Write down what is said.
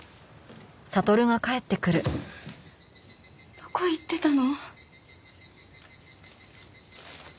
どこ行ってたの？